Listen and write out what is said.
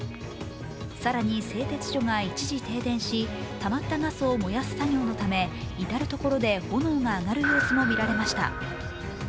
更に製鉄所が一時停電したまったガスを燃やす作業のため、至る所で炎が上がる様子も見られました。